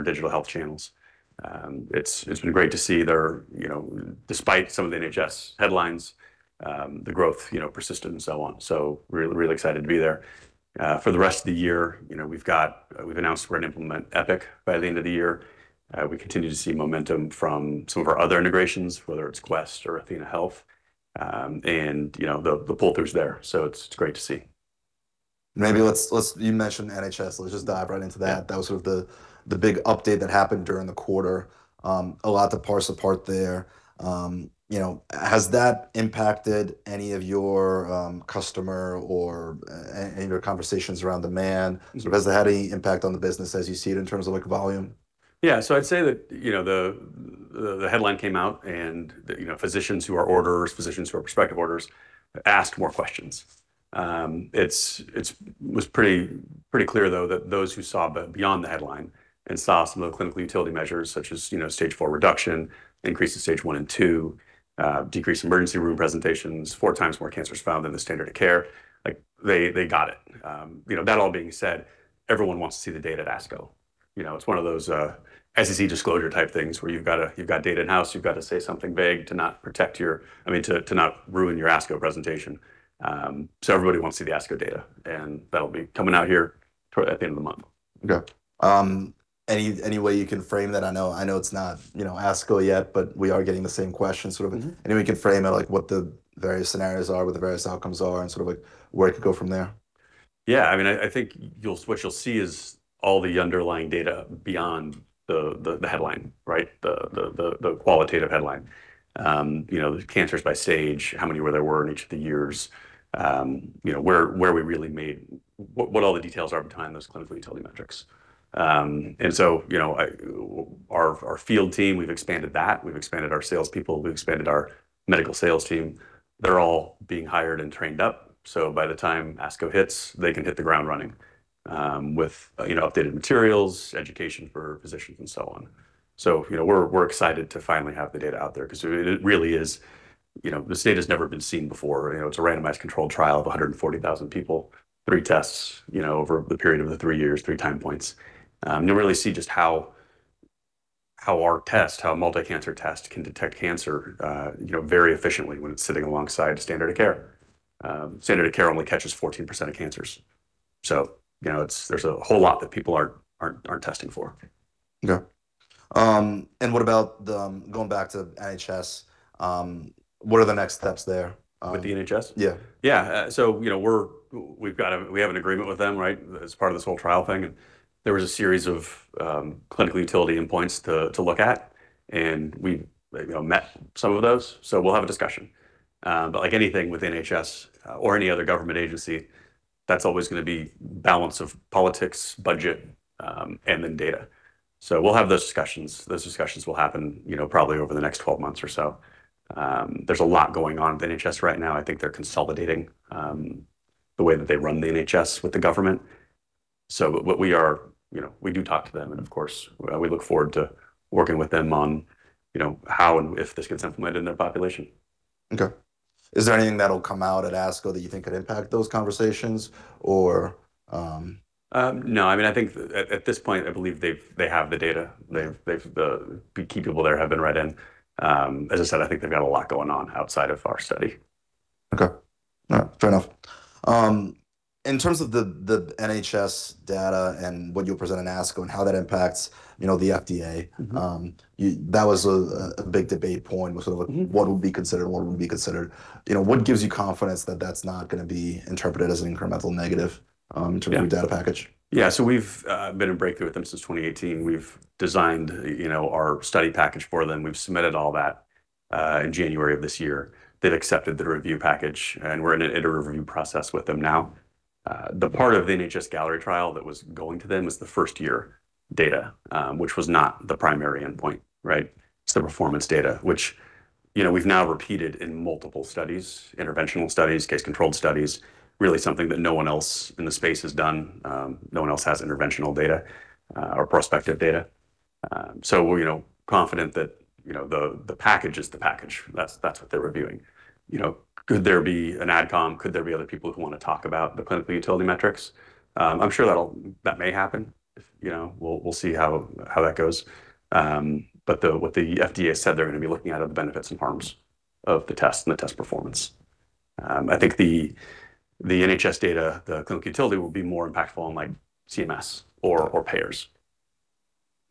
Our digital health channels. It's been great to see there, you know, despite some of the NHS headlines, the growth, you know, persisted and so on. Really excited to be there. For the rest of the year, you know, we've announced we're going to implement Epic by the end of the year. We continue to see momentum from some of our other integrations, whether it's Quest or athenahealth. You know, the pull-through's there, so it's great to see. You mentioned NHS, let's just dive right into that. Yeah. That was sort of the big update that happened during the quarter. A lot to parse apart there. You know, has that impacted any of your customer or any of your conversations around demand? Sort of has it had any impact on the business as you see it in terms of like volume? I'd say that, you know, the, the headline came out and the, you know, physicians who are orders, physicians who are prospective orders asked more questions. It was pretty clear though that those who saw beyond the headline and saw some of the clinical utility measures such as, you know, Stage 4 reduction, increase to Stage 1 and 2, decreased emergency room presentations, 4 times more cancers found than the standard of care, like, they got it. You know, that all being said, everyone wants to see the data at ASCO. You know, it's one of those SEC disclosure type things where you've got data in house, you've got to say something vague to not protect your I mean, to not ruin your ASCO presentation. Everybody wants to see the ASCO data, and that'll be coming out here toward at the end of the month. Okay. Any way you can frame that? I know it's not, you know, ASCO yet. We are getting the same question. Any way you can frame it, like what the various scenarios are, what the various outcomes are, and sort of like where it could go from there? Yeah, I mean, I think you'll see is all the underlying data beyond the headline, right? The qualitative headline. You know, the cancers by stage, how many where they were in each of the years. You know, where we really made what all the details are behind those clinical utility metrics. You know, our field team, we've expanded that. We've expanded our salespeople. We've expanded our medical sales team. They're all being hired and trained up, so by the time ASCO hits, they can hit the ground running with, you know, updated materials, education for physicians and so on. You know, we're excited to finally have the data out there 'cause it really is, you know, this data's never been seen before. You know, it's a randomized controlled trial of 140,000 people, three tests, you know, over the period of the three years, three time points. You can really see just how our test, how a multi-cancer test can detect cancer, you know, very efficiently when it's sitting alongside standard of care. Standard of care only catches 14% of cancers, so you know, it's, there's a whole lot that people aren't testing for. Okay. What about going back to NHS, what are the next steps there? With the NHS? Yeah. Yeah. You know, we've got a, we have an agreement with them, right? As part of this whole trial thing, there was a series of clinical utility endpoints to look at, and we've, you know, met some of those. We'll have a discussion. Like anything with NHS or any other government agency, that's always gonna be balance of politics, budget, and data. We'll have those discussions. Those discussions will happen, you know, probably over the next 12 months or so. There's a lot going on with NHS right now. I think they're consolidating the way that they run the NHS with the government. You know, we do talk to them and of course, we look forward to working with them on, you know, how and if this gets implemented in their population. Okay. Is there anything that'll come out at ASCO that you think could impact those conversations or? No. I mean, I think at this point, I believe they have the data. They've, the key people there have been read in. As I said, I think they've got a lot going on outside of our study. Okay. All right, fair enough. In terms of the NHS data and what you'll present at ASCO and how that impacts, you know, the FDA. That was a big debate point. What would be considered. You know, what gives you confidence that that's not gonna be interpreted as an incremental negative? Yeah Of your data package? Yeah. We've been in breakthrough with them since 2018. We've designed, you know, our study package for them. We've submitted all that in January of this year. They've accepted the review package, we're in a review process with them now. The part of the NHS Galleri trial that was going to them was the first year data, which was not the primary endpoint, right? It's the performance data, which, you know, we've now repeated in multiple studies, interventional studies, case controlled studies, really something that no one else in the space has done. No one else has interventional data or prospective data. We're, you know, confident that, you know, the package is the package. That's what they're reviewing. You know, could there be an AdCom? Could there be other people who want to talk about the clinical utility metrics? I'm sure that may happen if you know, we'll see how that goes. What the FDA said they're gonna be looking at are the benefits and harms of the test and the test performance. I think the NHS data, the clinical utility will be more impactful on like CMS or- Okay Payers.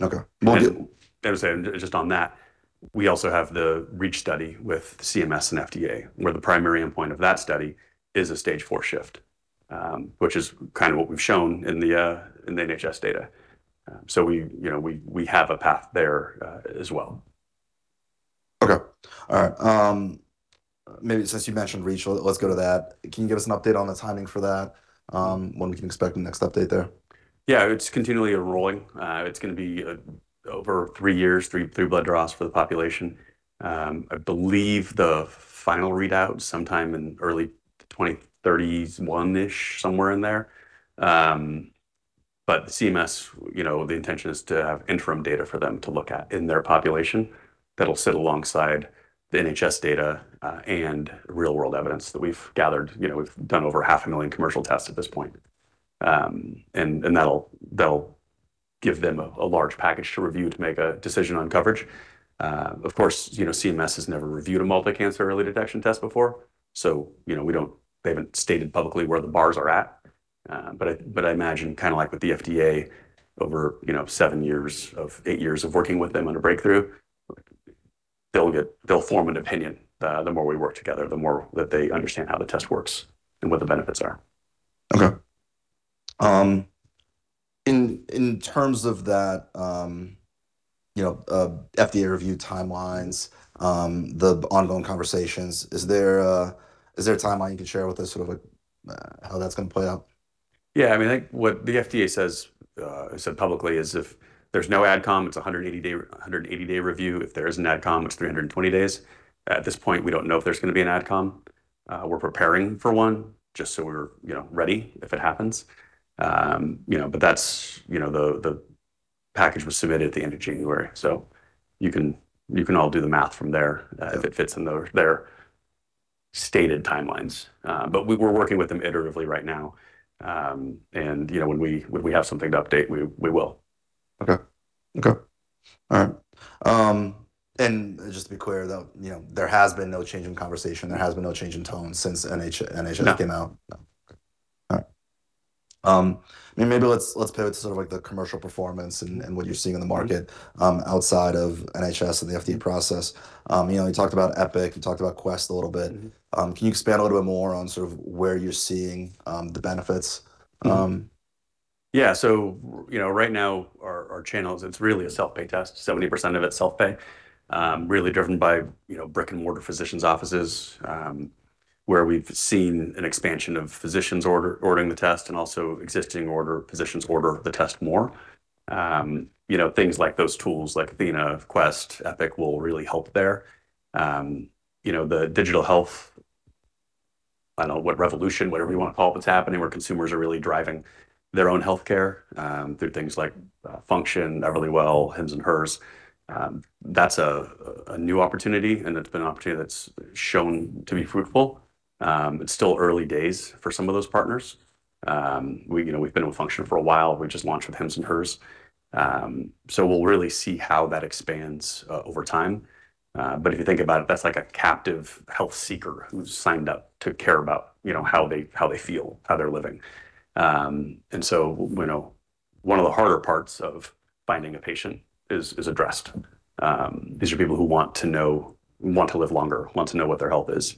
Okay. I would say just on that, we also have the REACH study with CMS and FDA, where the primary endpoint of that study is a Stage 4 shift, which is kind of what we've shown in the NHS data. We, you know, we have a path there as well. Okay. All right. Maybe since you mentioned REACH, let's go to that. Can you give us an update on the timing for that, when we can expect the next update there? Yeah, it's continually enrolling. It's gonna be over three years, three blood draws for the population. I believe the final readout sometime in early 2031-ish, somewhere in there. CMS, you know, the intention is to have interim data for them to look at in their population. That'll sit alongside the NHS data and real-world evidence that we've gathered. You know, we've done over half a million commercial tests at this point. And that'll give them a large package to review to make a decision on coverage. Of course, you know, CMS has never reviewed a Multi-Cancer Early Detection test before, so, you know, they haven't stated publicly where the bars are at. I imagine kinda like with the FDA over, you know, eight years of working with them on a breakthrough, they'll form an opinion, the more we work together, the more that they understand how the test works and what the benefits are. Okay. In terms of that, you know, FDA review timelines, the ongoing conversations, is there a timeline you can share with us, sort of like, how that's gonna play out? Yeah. I mean, I think what the FDA says, has said publicly is if there's no Ad Comm, it's a 180-day review. If there is an Ad Comm, it's 320 days. At this point, we don't know if there's gonna be an Ad Comm. We're preparing for one, just so we're, you know, ready if it happens. You know, that's, you know, the package was submitted at the end of January, so you can, you can all do the math from there. Okay If it fits in their stated timelines. We're working with them iteratively right now. You know, when we have something to update, we will. Okay. Okay. All right. Just to be clear, though, you know, there has been no change in conversation, there has been no change in tone since NHS came out? No. No. All right. I mean, maybe let's pivot to sort of like the commercial performance and what you're seeing in the market. Outside of NHS and the FDA process. You know, you talked about Epic, you talked about Quest a little bit. Can you expand a little bit more on sort of where you're seeing the benefits? Yeah. Right now our channels, it's really a self-pay test. 70% of it's self-pay, really driven by brick-and-mortar physicians' offices, where we've seen an expansion of physicians ordering the test and also existing physicians order the test more. Things like those tools, like athenahealth, Quest Diagnostics, Epic Systems will really help there. The digital health, I don't know, what revolution, whatever you wanna call it that's happening, where consumers are really driving their own healthcare, through things like Function Health, Everlywell, Hims & Hers, that's a new opportunity, and it's been an opportunity that's shown to be fruitful. It's still early days for some of those partners. We've been with Function Health for a while. We just launched with Hims & Hers. We'll really see how that expands over time. If you think about it, that's like a captive health seeker who's signed up to care about, you know, how they, how they feel, how they're living. You know, one of the harder parts of finding a patient is addressed. These are people who want to know, want to live longer, want to know what their health is.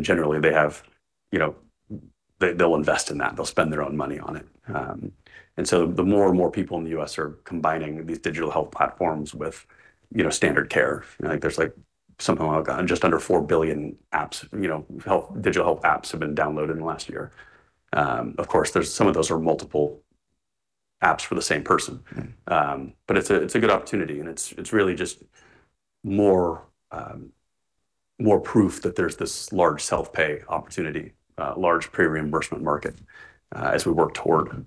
Generally, they have, you know They'll invest in that. They'll spend their own money on it. The more and more people in the U.S. are combining these digital health platforms with, you know, standard care. You know, like, there's, like, something like, just under 4 billion apps, you know, health, digital health apps have been downloaded in the last year. Of course, there's some of those are multiple apps for the same person. It's a good opportunity, and it's really just more proof that there's this large self-pay opportunity, large pre-reimbursement market, as we work toward,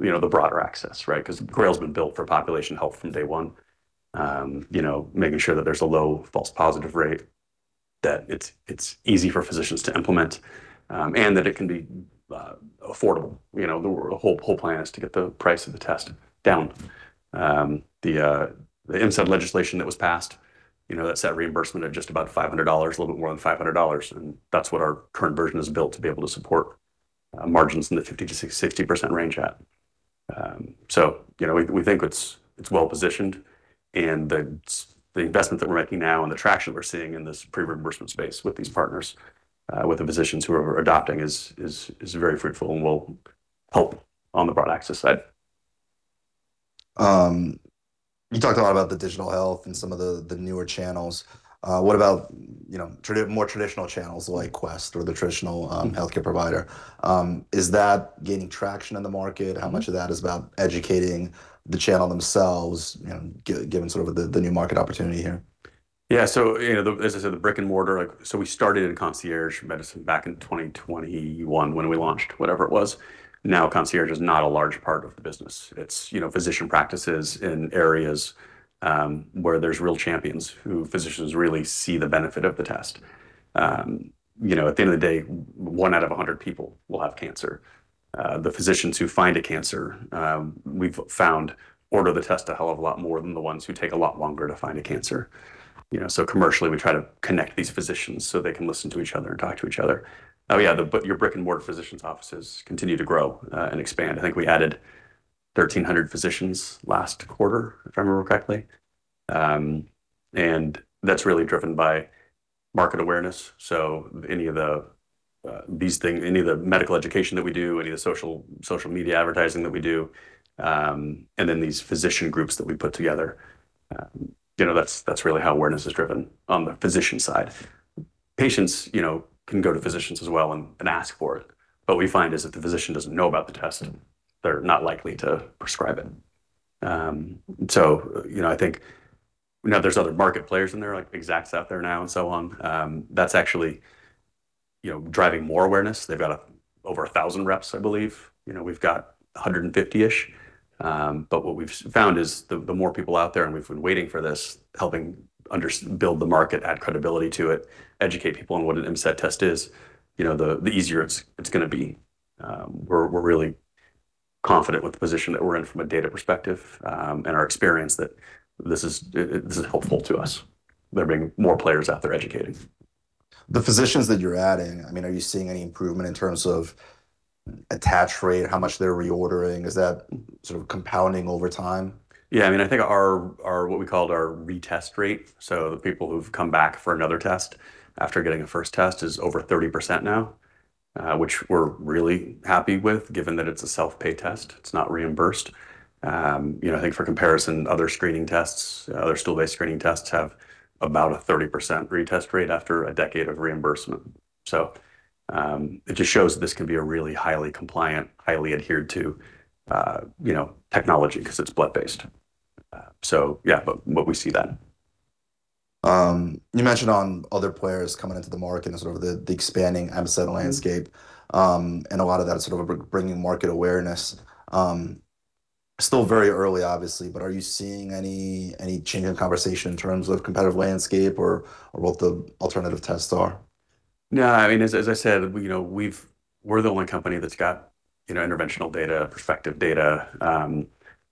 you know, the broader access, right? Because GRAIL's been built for population health from day one, you know, making sure that there's a low false positive rate, that it's easy for physicians to implement, and that it can be affordable. You know, the whole plan is to get the price of the test down. The MCED legislation that was passed, you know, that set reimbursement at just about $500, a little bit more than $500, and that's what our current version is built to be able to support margins in the 50%-60% range. You know, we think it's well positioned, and the investment that we're making now and the traction that we're seeing in this pre-reimbursement space with these partners, with the physicians who are adopting is very fruitful and will help on the broad access side. You talked a lot about the digital health and some of the newer channels. What about, you know, more traditional channels like Quest? Healthcare provider? Is that gaining traction in the market? How much of that is about educating the channel themselves, you know, giving sort of the new market opportunity here? Yeah. You know, as I said, the brick-and-mortar, like, we started in concierge medicine back in 2021 when we launched, whatever it was. Concierge is not a large part of the business. It's, you know, physician practices in areas where there's real champions who physicians really see the benefit of the test. You know, at the end of the day, 1 out of 100 people will have cancer. The physicians who find a cancer, we've found order the test a hell of a lot more than the ones who take a lot longer to find a cancer. You know, commercially, we try to connect these physicians so they can listen to each other and talk to each other. Oh, yeah, your brick-and-mortar physicians' offices continue to grow and expand. I think we added 1,300 physicians last quarter, if I remember correctly. That's really driven by market awareness. Any of the medical education that we do, any of the social media advertising that we do, and then these physician groups that we put together, you know, that's really how awareness is driven on the physician side. Patients, you know, can go to physicians as well and ask for it, but we find is if the physician doesn't know about the test, they're not likely to prescribe it. You know, I think, you know, there's other market players in there, like Exact's out there now and so on. That's actually You know, driving more awareness. They've got over 1,000 reps, I believe. You know, we've got 150-ish. What we've found is the more people out there, and we've been waiting for this, helping build the market, add credibility to it, educate people on what an MCED test is, you know, the easier it's gonna be. We're really confident with the position that we're in from a data perspective, and our experience that this is helpful to us, there being more players out there educating. The physicians that you're adding, I mean, are you seeing any improvement in terms of attach rate, how much they're reordering? Is that sort of compounding over time? Yeah. I mean, I think our what we call our retest rate, so the people who've come back for another test after getting a first test, is over 30% now, which we're really happy with given that it's a self-pay test. It's not reimbursed. You know, I think for comparison, other screening tests, other stool-based screening tests have about a 30% retest rate after a decade of reimbursement. It just shows this can be a really highly compliant, highly adhered to, you know, technology, 'cause it's blood-based. You mentioned on other players coming into the market and sort of the expanding MCED landscape. A lot of that is sort of bringing market awareness. Still very early obviously, are you seeing any change in conversation in terms of competitive landscape or what the alternative tests are? No. I mean, as I said, you know, we've we're the only company that's got, you know, interventional data, prospective data,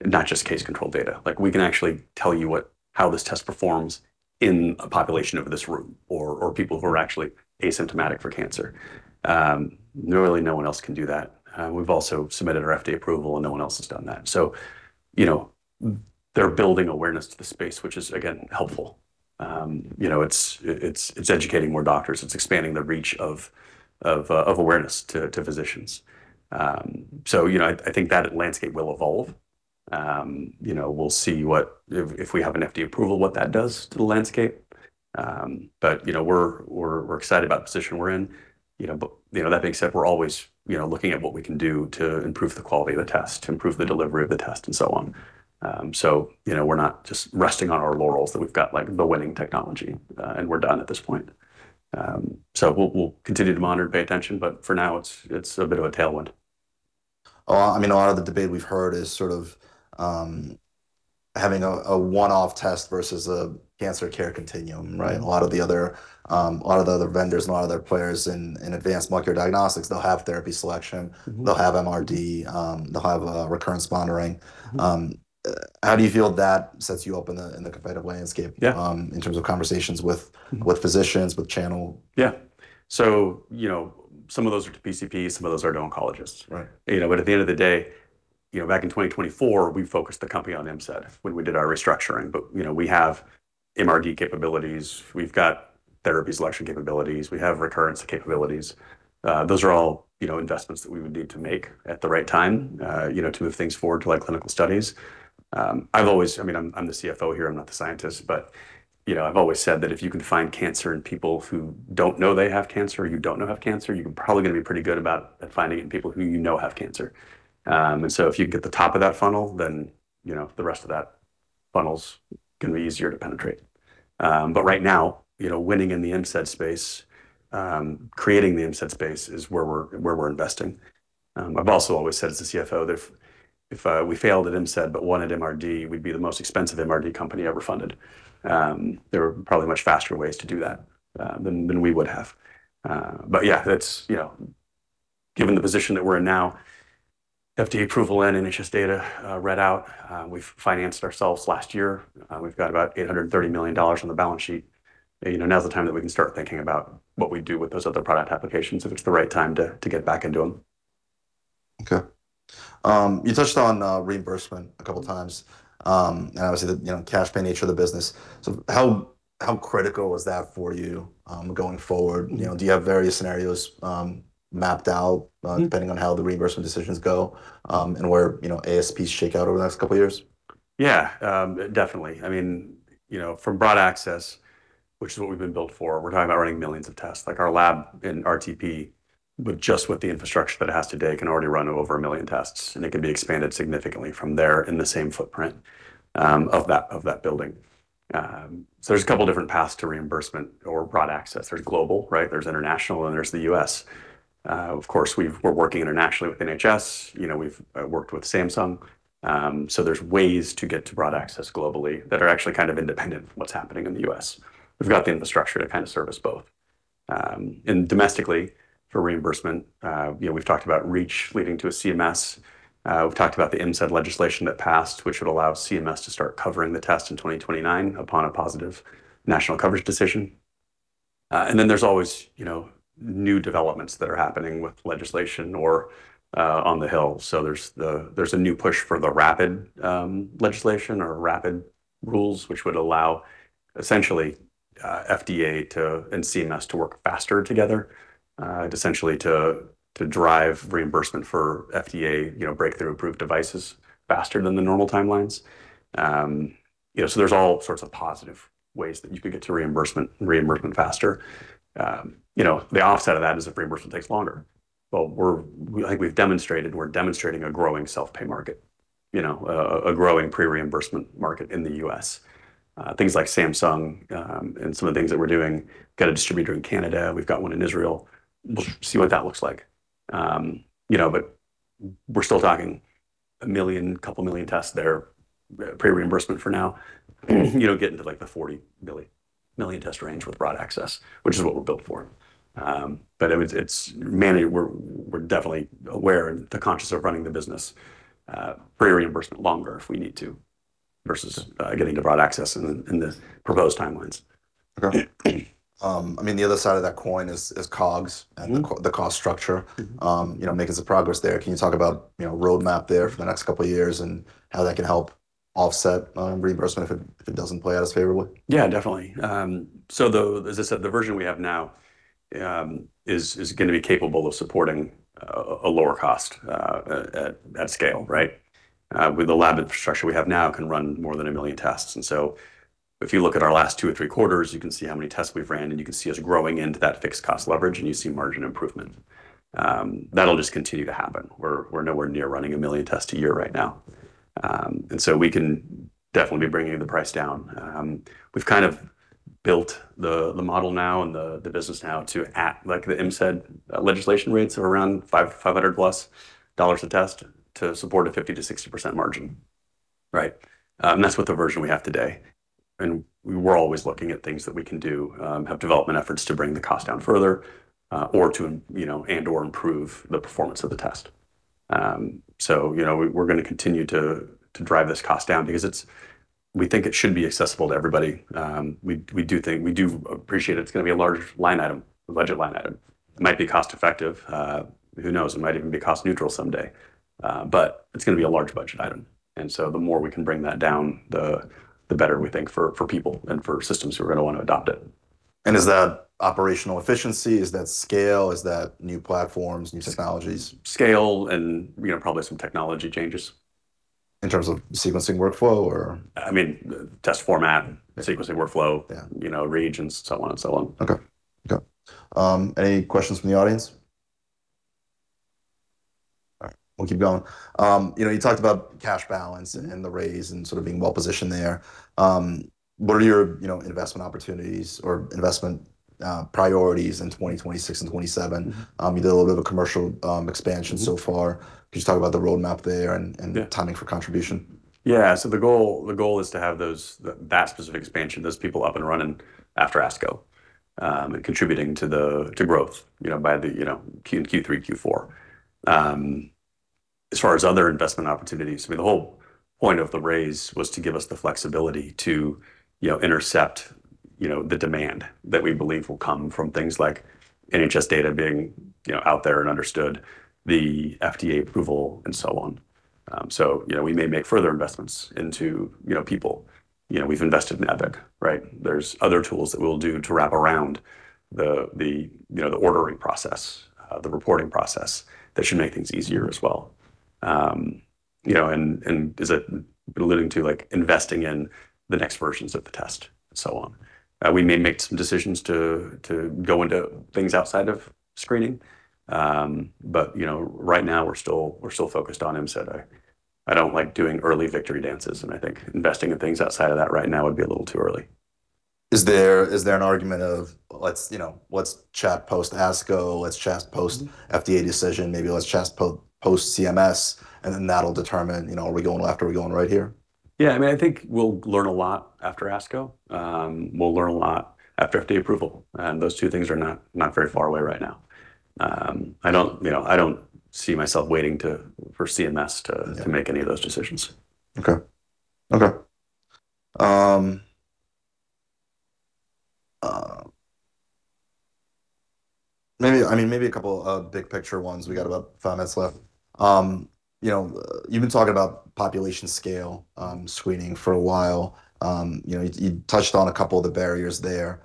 not just case control data. Like we can actually tell you what, how this test performs in a population of this room or people who are actually asymptomatic for cancer. Really no one else can do that. We've also submitted our FDA approval. No one else has done that. You know, they're building awareness to the space, which is again, helpful. You know, it's educating more doctors. It's expanding the reach of awareness to physicians. You know, I think that landscape will evolve. You know, we'll see what if we have an FDA approval, what that does to the landscape. You know, we're excited about the position we're in. You know, that being said, we're always, you know, looking at what we can do to improve the quality of the test, to improve the delivery of the test and so on. You know, we're not just resting on our laurels that we've got like the winning technology, and we're done at this point. We'll continue to monitor and pay attention, but for now it's a bit of a tailwind. Well, I mean, a lot of the debate we've heard is sort of, having a one-off test versus a cancer care continuum, right? A lot of the other vendors and a lot of the other players in advanced molecular diagnostics, they'll have therapy selection. They'll have MRD. They'll have recurrence monitoring. How do you feel that sets you up in the, in the competitive landscape? Yeah In terms of conversations with physicians, with channel? Yeah. You know, some of those are to PCPs, some of those are to oncologists. Right. You know, at the end of the day, you know, back in 2024, we focused the company on MSAT when we did our restructuring. You know, we have MRD capabilities. We've got therapy selection capabilities. We have recurrence capabilities. Those are all, you know, investments that we would need to make at the right time, you know, to move things forward to like clinical studies. I've always I mean, I'm the CFO here, I'm not the scientist, you know, I've always said that if you can find cancer in people who don't know they have cancer or you don't know have cancer, you're probably gonna be pretty good about, at finding it in people who you know have cancer. If you get the top of that funnel, you know, the rest of that funnel's gonna be easier to penetrate. Right now, you know, winning in the MSAT space, creating the MSAT space is where we're investing. I've also always said as the CFO that if we failed at MSAT but won at MRD, we'd be the most expensive MRD company ever funded. There are probably much faster ways to do that than we would have. Yeah, that's, you know Given the position that we're in now, FDA approval in, NHS data read out, we've financed ourselves last year. We've got about $830 million on the balance sheet. You know, now's the time that we can start thinking about what we do with those other product applications, if it's the right time to get back into them. Okay. You touched on reimbursement a couple times, and obviously the, you know, cash pay nature of the business. How critical is that for you, going forward? You know, do you have various scenarios, mapped out? Depending on how the reimbursement decisions go, and where, you know, ASPs shake out over the next couple years? Yeah. Definitely. I mean, you know, from broad access, which is what we've been built for, we're talking about running millions of tests. Like our lab in RTP with the infrastructure that it has today, can already run over 1 million tests, and it can be expanded significantly from there in the same footprint of that building. There's two different paths to reimbursement or broad access. There's global, right? There's international, and there's the U.S. Of course, we've, we're working internationally with NHS. You know, we've worked with Samsung. There's ways to get to broad access globally that are actually kind of independent of what's happening in the U.S. We've got the infrastructure to kind of service both. Domestically for reimbursement, you know, we've talked about REACH leading to a CMS. We've talked about the MSAT legislation that passed, which would allow CMS to start covering the test in 2029 upon a positive National Coverage Determination. There's always, you know, new developments that are happening with legislation or on the Hill. There's a new push for the RAPID legislation or RAPID rules, which would allow essentially FDA and CMS to work faster together, essentially to drive reimbursement for FDA, you know, Breakthrough approved devices faster than the normal timelines. You know, there's all sorts of positive ways that you could get to reimbursement faster. Like we've demonstrated, we're demonstrating a growing self-pay market. You know, a growing pre-reimbursement market in the U.S. Things like Samsung and some of the things that we're doing, got a distributor in Canada. We've got one in Israel. We'll see what that looks like. You know, we're still talking a million, a couple million tests there pre-reimbursement for now. You know, get into like the 40 million test range with broad access, which is what we're built for. It's mainly we're definitely aware and conscious of running the business pre-reimbursement longer if we need to versus getting to broad access in the proposed timelines. Okay. I mean, the other side of that coin is COGS and the cost structure, you know, making some progress there. Can you talk about, you know, roadmap there for the next couple of years and how that can help offset reimbursement if it doesn't play out as favorably? Yeah, definitely. As I said, the version we have now is going to be capable of supporting a lower cost at scale, right? With the lab infrastructure we have now can run more than 1 million tests. If you look at our last two or three quarters, you can see how many tests we've ran and you can see us growing into that fixed cost leverage and you see margin improvement. That'll just continue to happen. We're nowhere near running 1 million tests a year right now. We can definitely be bringing the price down. We've kind of built the model now and the business now to at like the MCED legislation rates of around $500+ a test to support a 50%-60% margin, right? That's with the version we have today. We're always looking at things that we can do, have development efforts to bring the cost down further or to, you know, and or improve the performance of the test. You know, we're going to continue to drive this cost down because it's, we think it should be accessible to everybody. We do think, we do appreciate it's going to be a large line item, budget line item. It might be cost effective. Who knows? It might even be cost neutral someday. It's going to be a large budget item. The more we can bring that down, the better we think for people and for systems who are going to want to adopt it. Is that operational efficiency? Is that scale? Is that new platforms, new technologies? Scale and, you know, probably some technology changes. In terms of sequencing workflow or? I mean, test format, sequencing workflow, you know, range and so on and so on. Okay. Any questions from the audience? All right. We'll keep going. You know, you talked about cash balance and the raise and sort of being well positioned there. What are your, you know, investment opportunities or investment priorities in 2026 and 2027? You did a little bit of a commercial expansion so far. Can you just talk about the roadmap there and timing for contribution? Yeah. The goal is to have those, that specific expansion, those people up and running after ASCO and contributing to growth, you know, by the, you know, Q3, Q4. As far as other investment opportunities, I mean, the whole point of the raise was to give us the flexibility to, you know, intercept, you know, the demand that we believe will come from things like NHS data being, you know, out there and understood, the FDA approval and so on. We may make further investments into, you know, people. We've invested in Epic, right? There's other tools that we'll do to wrap around the, you know, the ordering process, the reporting process that should make things easier as well. Is it alluding to like investing in the next versions of the test and so on. We may make some decisions to go into things outside of screening. You know, right now we're still focused on MCED. I don't like doing early victory dances. I think investing in things outside of that right now would be a little too early. Is there an argument of let's, you know, let's chat post ASCO, let's chat post FDA decision, maybe let's chat post CMS, and then that'll determine, you know, are we going left, are we going right here? Yeah. I mean, I think we'll learn a lot after ASCO. We'll learn a lot after FDA approval. Those two things are not very far away right now. I don't, you know, I don't see myself waiting for CMS to make any of those decisions. Okay. Okay. Maybe, I mean, maybe a couple of big picture ones. We got about five minutes left. You know, you've been talking about population scale screening for a while. You know, you touched on a couple of the barriers there.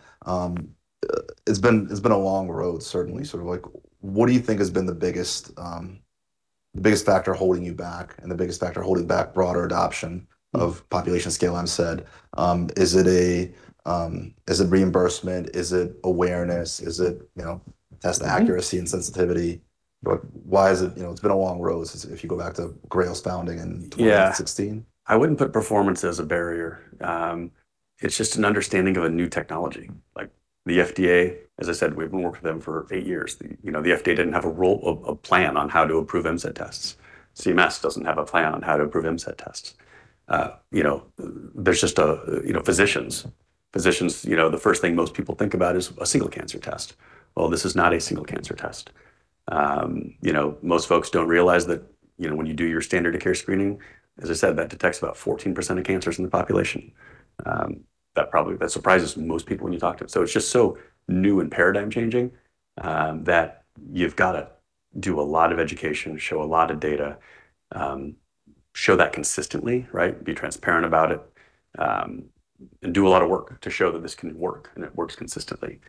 It's been a long road, certainly. Sort of like, what do you think has been the biggest factor holding you back and the biggest factor holding back broader adoption of population scale MCED? Is it a, is it reimbursement? Is it awareness? Is it, you know, test accuracy and sensitivity? Why is it, you know, it's been a long road if you go back to GRAIL's founding in 2016? Yeah. I wouldn't put performance as a barrier. It's just an understanding of a new technology. Like the FDA, as I said, we've been working with them for eight years. You know, the FDA didn't have a role, a plan on how to approve MCED tests. CMS doesn't have a plan on how to approve MCED tests. You know, there's just you know, physicians. Physicians, you know, the first thing most people think about is a single cancer test. Well, this is not a single cancer test. You know, most folks don't realize that, you know, when you do your standard of care screening, as I said, that detects about 14% of cancers in the population. That surprises most people when you talk to them. It's just so new and paradigm changing that you've got to do a lot of education, show a lot of data, show that consistently, right? Be transparent about it and do a lot of work to show that this can work and it works consistently.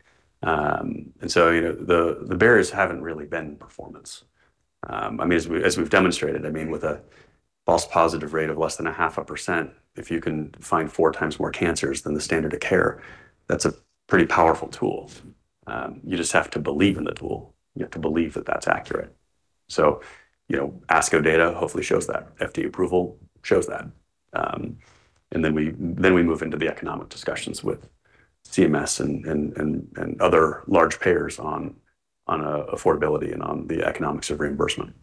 You know, the barriers haven't really been performance. I mean, as we've demonstrated, I mean, with a false positive rate of less than 0.5%, if you can find four times more cancers than the standard of care, that's a pretty powerful tool. You just have to believe in the tool. You have to believe that that's accurate. You know, ASCO data hopefully shows that. FDA approval shows that. Then we move into the economic discussions with CMS and other large payers on affordability and on the economics of reimbursement.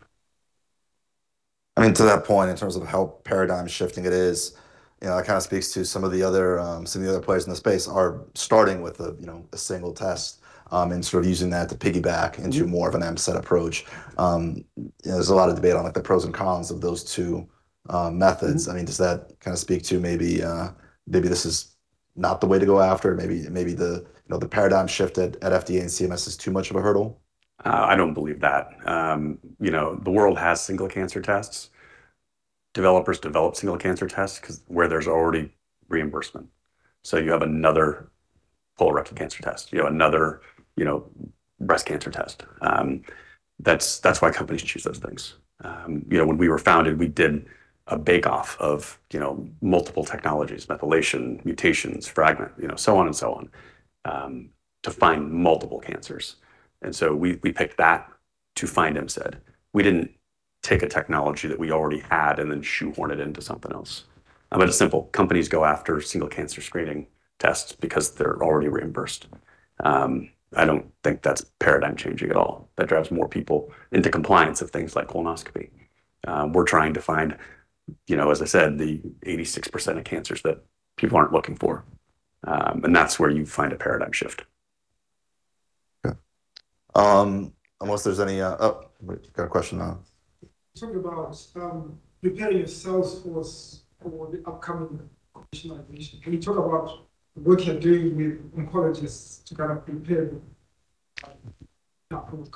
I mean, to that point, in terms of how paradigm-shifting it is, you know, that kinda speaks to some of the other, some of the other players in the space are starting with a, you know, a single test, and sort of using that to. Into more of an MCED approach. You know, there's a lot of debate on, like, the pros and cons of those two methods. I mean, does that kinda speak to maybe this is not the way to go after? Maybe the, you know, the paradigm shift at FDA and CMS is too much of a hurdle? I don't believe that. You know, the world has single cancer tests. Developers develop single cancer tests because there's already reimbursement. You have another colorectal cancer test, you know, another, you know, breast cancer test. That's why companies choose those things. You know, when we were founded, we did a bake-off of, you know, multiple technologies, methylation, mutations, fragment, you know, so on and so on, to find multiple cancers, and so we picked that to find MCED. We didn't take a technology that we already had and then shoehorn it into something else. It's simple. Companies go after single cancer screening tests because they're already reimbursed. I don't think that's paradigm-changing at all. That drives more people into compliance of things like colonoscopy. We're trying to find, you know, as I said, the 86% of cancers that people aren't looking for. That's where you find a paradigm shift. Okay. Unless there's any, we've got a question. You talked about preparing your sales force for the upcoming commercialization. Can you talk about the work you're doing with oncologists to kind of prepare for that outcome?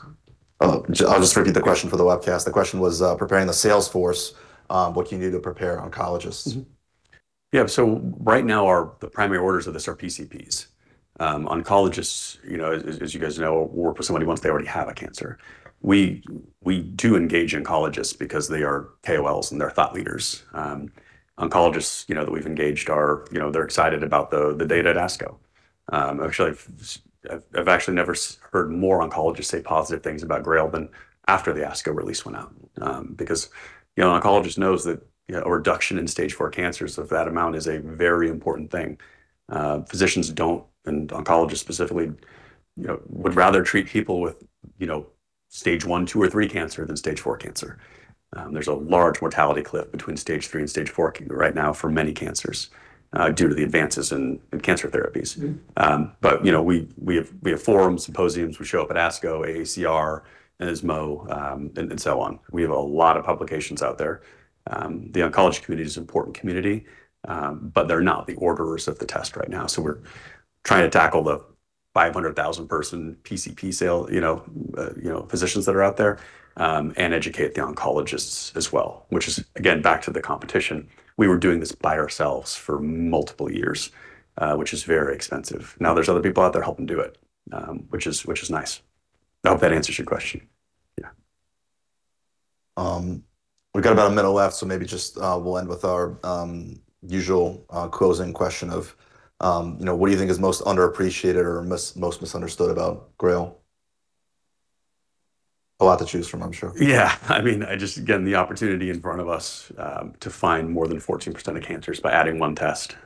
I'll just repeat the question for the webcast. The question was, preparing the sales force, what you need to prepare oncologists. Yeah, right now the primary orders of this are PCPs. Oncologists, you know, as you guys know, work with somebody once they already have a cancer. We do engage oncologists because they are KOLs and they're thought leaders. Oncologists, you know, that we've engaged are, you know, they're excited about the data at ASCO. Actually I've actually never heard more oncologists say positive things about GRAIL than after the ASCO release went out. Because, you know, oncologist knows that, you know, a reduction in Stage 4 cancers of that amount is a very important thing. Physicians don't, and oncologists specifically, you know, would rather treat people with, you know, Stage 1, 2, or 3 cancer than Stage 4 cancer. There's a large mortality cliff between Stage 3 and Stage 4 right now for many cancers due to the advances in cancer therapies. You know, we have forums, symposiums, we show up at ASCO, AACR, ESMO, and so on. We have a lot of publications out there. The oncology community is an important community, they're not the orderers of the test right now. We're trying to tackle the 500,000 person PCP sale, you know, physicians that are out there, and educate the oncologists as well, which is again, back to the competition. We were doing this by ourselves for multiple years, which is very expensive. There's other people out there helping do it, which is nice. I hope that answers your question. Yeah. We've got about a minute left, so maybe just, we'll end with our usual closing question of, you know, what do you think is most underappreciated or most misunderstood about GRAIL? A lot to choose from, I'm sure. I mean, again, the opportunity in front of us, to find more than 14% of cancers by adding one test,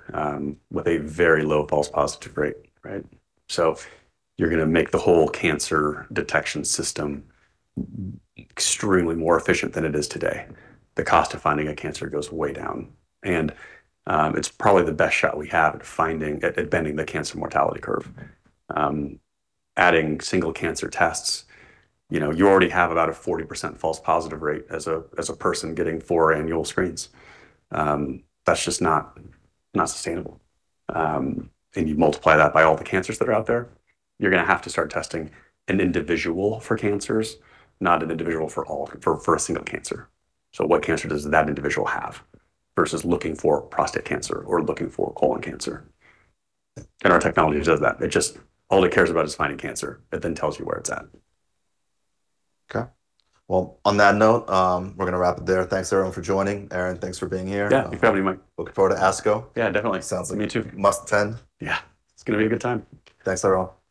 with a very low false positive rate, right? You're gonna make the whole cancer detection system extremely more efficient than it is today. The cost of finding a cancer goes way down. It's probably the best shot we have at finding, at bending the cancer mortality curve. Adding single cancer tests, you know, you already have about a 40% false positive rate as a person getting four annual screens. That's just not sustainable. You multiply that by all the cancers that are out there, you're gonna have to start testing an individual for cancers, not an individual for a single cancer. What cancer does that individual have versus looking for prostate cancer or looking for colon cancer. Our technology does that. All it cares about is finding cancer. It tells you where it's at. Okay. Well, on that note, we're gonna wrap it there. Thanks everyone for joining. Aaron, thanks for being here. Yeah. Thank you for having me, Mike. Looking forward to ASCO. Yeah, definitely. Sounds like- Me too. Must attend. Yeah. It's gonna be a good time. Thanks, everyone. Thank you.